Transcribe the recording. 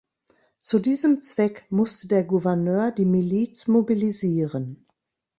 Zu diesem Zweck musste der Gouverneur die Miliz mobilisieren.